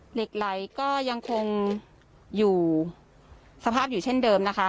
เหล็กไหลก็ยังคงอยู่สภาพอยู่เช่นเดิมนะคะ